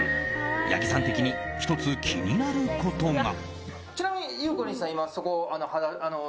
八木さん的に１つ気になることが。